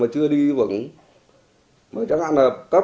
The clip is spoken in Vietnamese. thấy bà vất vả